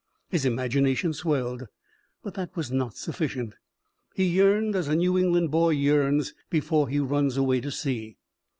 His imagination swelled. But that was not sufficient. He yearned as a New England boy yearns before he runs away to sea.